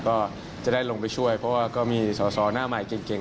ก็จะได้ลงไปช่วยเพราะว่าก็มีสอสอหน้าใหม่เก่ง